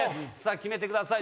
決めてください